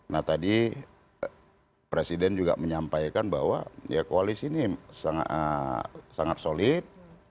nah tadi presiden juga menyampaikan bahwa ya koalisi ini sangat solid